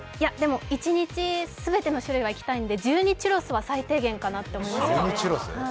１日すべての種類はいきたいんで１２チュロスは最低限かなと思います。